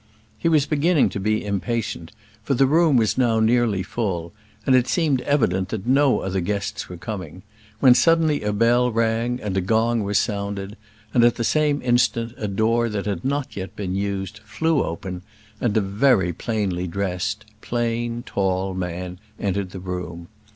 He was beginning to be impatient, for the room was now nearly full, and it seemed evident that no other guests were coming; when suddenly a bell rang, and a gong was sounded, and at the same instant a door that had not yet been used flew open, and a very plainly dressed, plain, tall man entered the room.